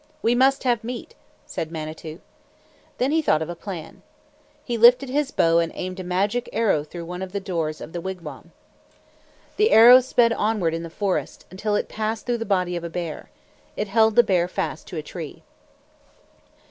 "We must have meat," said Manitou. Then he thought of a plan. He lifted his bow and aimed a magic arrow through the door of the wigwam. The arrow sped onward in the forest, until it passed through the body of a bear. It held the bear fast to a tree.